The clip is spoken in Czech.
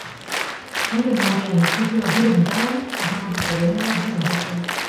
Po něm Marianne zdědila hudební talent a v mládí se věnovala hře na housle.